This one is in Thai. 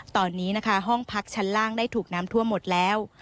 ตอนนี้นะคะห้องพักชั้นล่างได้ถูกน้ำท่วมหมดแล้ว